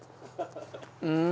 うん！